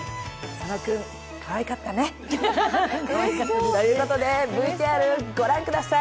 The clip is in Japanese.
佐野君、かわいかったね。ということでＶＴＲ御覧ください。